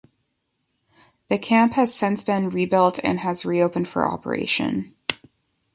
The camp has since been rebuilt and has re-opened for operation.